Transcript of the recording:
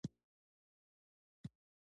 شمعی پټي ځلوه غمازان ډیر دي